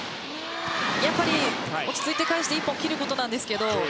やっぱり、落ち着いて返して１本切ることなんですけど。